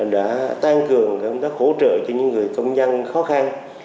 đã tăng cường đã hỗ trợ cho những người công dân khó khăn